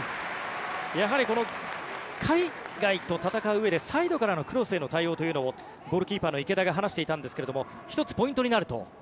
やはり海外と戦ううえでサイドからのクロスへの対応というのをゴールキーパーの池田が話していたんですが１つポイントになると。